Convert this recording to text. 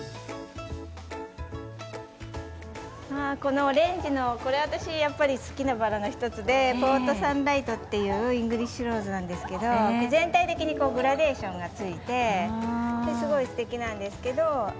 このオレンジの、これ私やっぱり好きなバラの１つでポートサンライトっていうイングリッシュローズなんですけど全体的にグラデーションがついてすごい、すてきなんですけど。